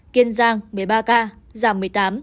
kiên giang một mươi ba ca giảm một mươi tám